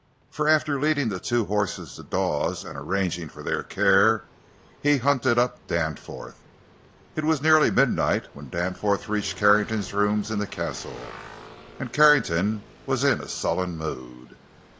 For after leading the two horses to Dawes and arranging for their care, he hunted up Danforth. It was nearly midnight when Danforth reached Carrington's rooms in the Castle, and Carrington was in a sullen mood.